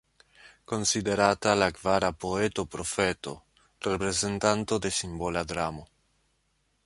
Konsiderata la kvara poeto-profeto, reprezentanto de simbola dramo.